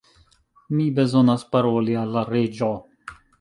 Mi bezonas paroli al la Reĝo!